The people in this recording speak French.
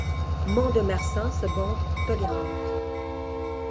Mont-de-Marsan se montre tolérante.